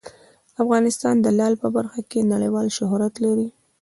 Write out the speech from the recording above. افغانستان د لعل په برخه کې نړیوال شهرت لري.